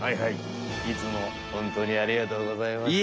いつもホントにありがとうございます。